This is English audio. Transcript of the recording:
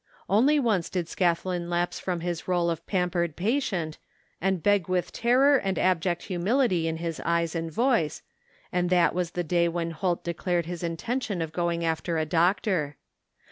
Only once did Scathlin lapse from his role of pampered patient and beg with terror and abject humility in his eyes and voice, and that was the day when Holt declared his intention of going after a doctor.